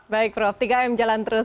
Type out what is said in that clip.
baik prof tiga m jalan terus